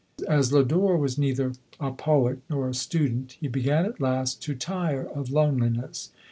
As Lodore Mas neither a poet nor a student, he began at last to tire of loneliness.